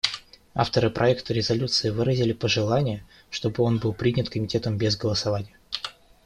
Авторы проекта резолюции выразили пожелание, чтобы он был принят Комитетом без голосования.